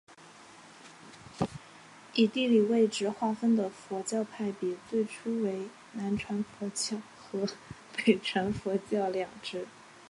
以地理位置划分的佛教派别最初为南传佛教和北传佛教两支。